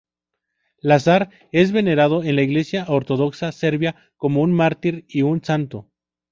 Lazar es venerado en la Iglesia ortodoxa serbia como un mártir y un santo.